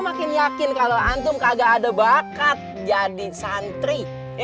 makin kalo antum kagak ada bakat jadi santri